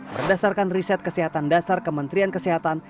berdasarkan riset kesehatan dasar kementerian kesehatan